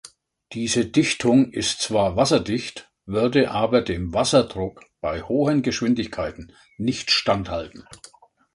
Diese Dichtung ist zwar wasserdicht, würde aber dem Wasserdruck bei hohen Geschwindigkeiten nicht standhalten.